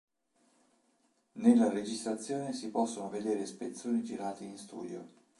Nella registrazione si possono vedere spezzoni girati in studio